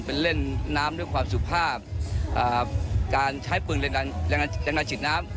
เป็นเล่นน้ำด้วยความสุภาพการใช้ปืนแรงงานฉีดน้ำ